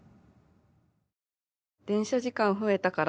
「電車時間増えたから」